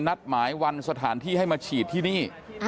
นัดหมายวันสถานที่ให้มาฉีดที่นี่